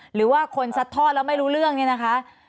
หรือว่าคนซัดทอดแล้วไม่รู้เรื่องเนี่ยนะคะ